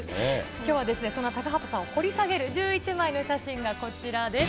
きょうはですね、そんな高畑さんを掘り下げる１１枚の写真がこちらです。